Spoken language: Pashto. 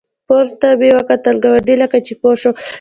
پورته مې وکتل، ګاونډي لکه چې پوه شو.